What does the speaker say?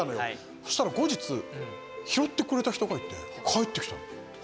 そしたら後日拾ってくれた人がいて返ってきたの。